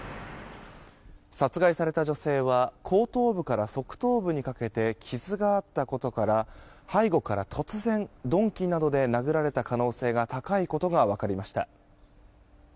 殺害された女性は後頭部から側頭部にかけて傷があったことから背後から突然鈍器などで殴られた可能性が高いことが分かりました。